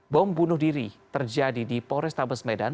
bom bunuh diri terjadi di pores tabes medan